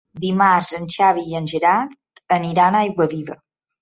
Dimarts en Xavi i en Gerard aniran a Aiguaviva.